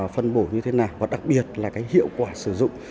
phân bổ như thế nào hoặc đặc biệt hiệu quả sử dụng